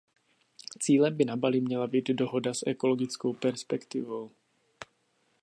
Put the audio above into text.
Cílem by na Bali měla být dohoda s ekologickou perspektivou.